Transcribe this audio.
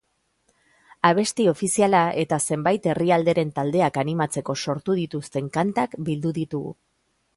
Abesti ofiziala eta zenbait herrialderen taldeak animatzeko sortu dituzten kantak bildu ditugu.